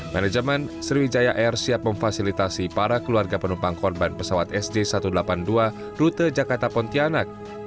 manajemen sriwijaya air siap memfasilitasi para keluarga penumpang korban pesawat sj satu ratus delapan puluh dua rute jakarta pontianak